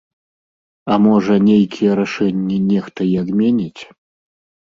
А можа, нейкія рашэнні нехта і адменіць.